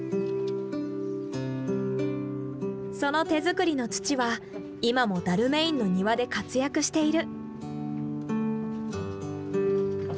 その手作りの土は今もダルメインの庭で活躍している。